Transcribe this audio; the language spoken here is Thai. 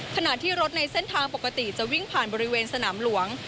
ขณะที่รถในเส้นทางปกติจะวิ่งผ่านบริเวณสนามหลวง